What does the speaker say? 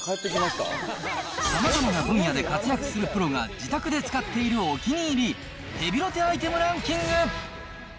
さまざまな分野で活躍するプロが自宅で使っているお気に入り、ヘビロテアイテムランキング。